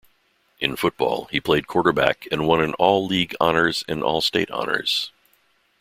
In football, he played quarterback, and won an All-League honors and All-State honors.